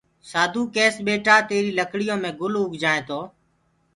سآڌوٚ ڪيس ٻيٽآ تيريٚ لڪڙيو مي گُل اوگجآئينٚ تو